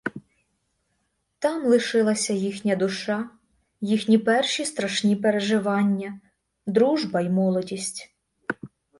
Там лишилася їхня душа, їхні перші страшні переживання, дружба й молодість.